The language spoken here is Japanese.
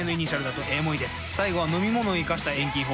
最後は飲み物をいかした遠近法。